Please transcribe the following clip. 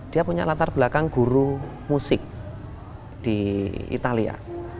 dia punya latar belakang guru musik di italia